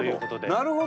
なるほど。